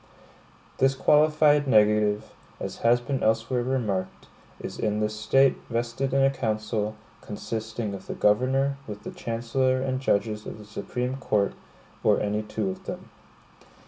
This qualified negative, as has been elsewhere remarked, is in this State vested in a council, consisting of the governor, with the chancellor and judges of the Supreme Court, or any two of them.